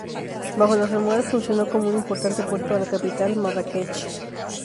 Bajo los almohades funcionó como un importante puerto a la capital, Marrakech.